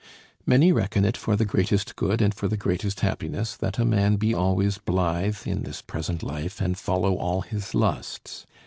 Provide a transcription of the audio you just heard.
Many reckon it for the greatest good and for the greatest happiness that a man be always blithe in this present life, and follow all his lusts.